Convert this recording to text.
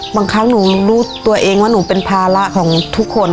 บางครั้งหนูรู้ตัวเองว่าหนูเป็นภาระของทุกคน